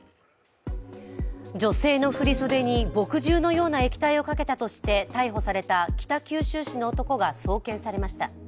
女性の振り袖に墨汁のような液体をかけたとした逮捕された北九州市の男が送検されました。